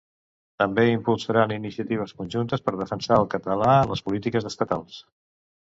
També impulsaran iniciatives conjuntes per defensar el català en les polítiques estatals.